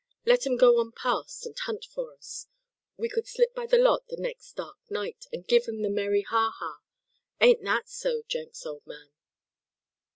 Let 'em go on past, and hunt for us; we could slip by the lot the next dark night, and give 'em the merry ha! ha! Ain't that so, Jenks, old man?"